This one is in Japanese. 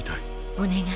お願い。